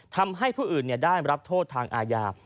ทำให้ผู้อื่นได้รับโทษทางอาญา